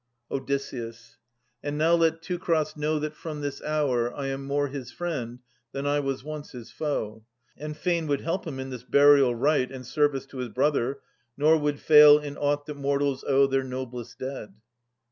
Od. And now let Teucer know that from this hour I am more his friend than I was once his foe, And fain would help him in this burial rite And service to his brother, nor would fail In aught that mortals owe their noblest dead.